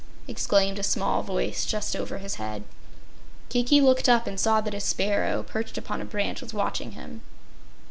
exclaimed a small voice just over his head. Kiki looked up and saw that a sparrow, perched upon a branch, was watching him.